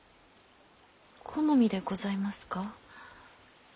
好みでございますか？